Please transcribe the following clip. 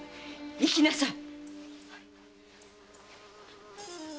行きなさい！